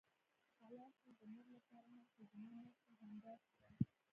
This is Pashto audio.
خلاص نو د نر لپاره هم ښځينه نرسه همداسې ده.